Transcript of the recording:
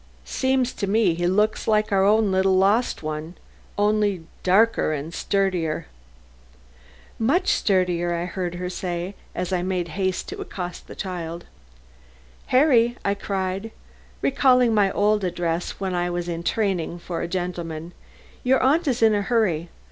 Seems to me he looks like our own little lost one; only darker and sturdier." "Much sturdier," I heard her say as I made haste to accost the child. "Harry," I cried, recalling my old address when I was in training for a gentleman; "your aunt is in a hurry.